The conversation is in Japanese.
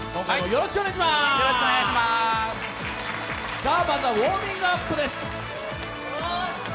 まずはウォーミングアップです。